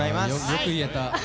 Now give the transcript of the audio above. よく言えた。